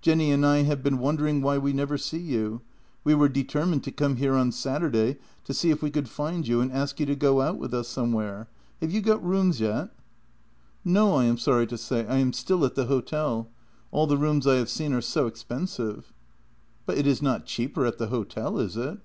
Jenny and I have been wondering why we never see you; we were determined to come here on Saturday to see if we could find you and ask you to go out with us somewhere. Have you got rooms yet? " JENNY 58 " No, I am sorry to say. I am still at the hotel. All the rooms I have seen are so expensive." " But it is not cheaper at the hotel, is it?